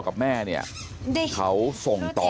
ชาวบ้านในพื้นที่บอกว่าปกติผู้ตายเขาก็อยู่กับสามีแล้วก็ลูกสองคนนะฮะ